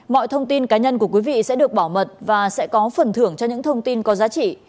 mọi thông tin cá nhân của quý vị sẽ được bảo mật và sẽ có phần thưởng cho những thông tin có giá trị